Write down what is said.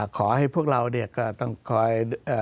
ขอให้พวกเราก็ต้องคอย